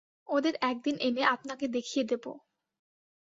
ওদের এক দিন এনে আপনাকে দেখিয়ে দেব।